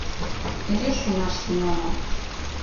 — Эре шонаш тӱҥалам.